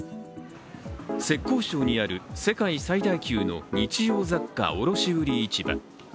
浙江省にある世界最大級の日用雑貨卸売市場。